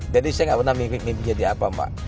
jadi saya gak pernah mimpi mimpi jadi apa mbak